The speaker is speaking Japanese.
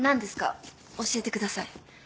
教えてください。